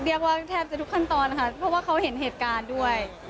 แทบจะทุกขั้นตอนนะคะเพราะว่าเขาเห็นเหตุการณ์ด้วย